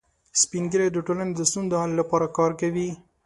سپین ږیری د ټولنې د ستونزو د حل لپاره کار کوي